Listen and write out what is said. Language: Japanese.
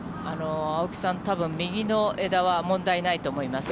青木さん、たぶん、右の枝は問題ないと思います。